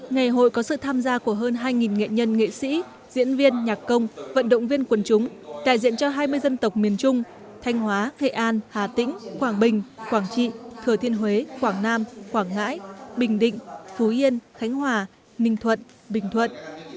ngày hội có sự tham gia của hơn hai nghệ nhân nghệ sĩ diễn viên nhạc công vận động viên quần chúng đại diện cho hai mươi dân tộc miền trung thanh hóa nghệ an hà tĩnh quảng bình quảng trị thừa thiên huế quảng nam quảng ngãi bình định phú yên khánh hòa ninh thuận bình thuận